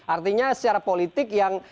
artinya secara politik yang